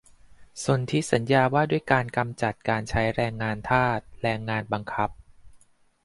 สนธิสัญญาว่าด้วยการกำจัดการใช้แรงงานทาส แรงงานบังคับ